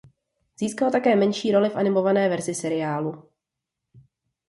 Získal také menší roli v animované verzi seriálu.